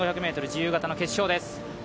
自由形決勝です。